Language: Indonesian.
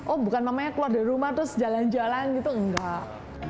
oh bukan mamanya keluar dari rumah terus jalan jalan gitu enggak